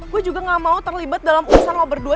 gue juga nggak mau terlibat dalam urusan lo berdua